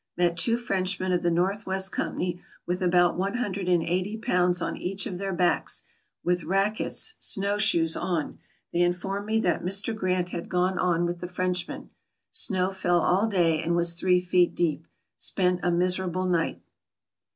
Met two Frenchmen of the North West Company with about one hundred and eighty pounds on each of their backs, with rackets [snowshoes] on ; they informed me that Mr. Grant had gone on with the Frenchmen. Snow fell all day, and was three feet deep. Spent a miserable night.